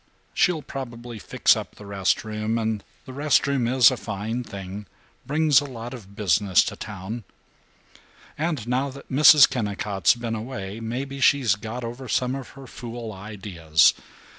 She'll probably fix up the rest room, and the rest room is a fine thing, brings a lot of business to town. And now that Mrs. Kennicott's been away, maybe she's got over some of her fool ideas.